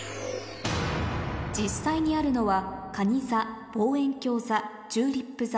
実際にあるのはかに座ぼうえんきょう座チューリップ座